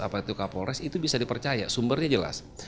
apa itu kapolres itu bisa dipercaya sumbernya jelas